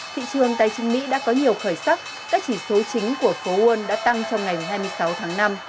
thị trường tài chính mỹ đã có nhiều khởi sắc các chỉ số chính của phố won đã tăng trong ngày hai mươi sáu tháng năm